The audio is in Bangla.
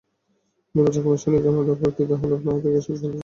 নির্বাচন কমিশনে জমা দেওয়া প্রার্থীদের হলফনামা থেকে এসব তথ্য জানা গেছে।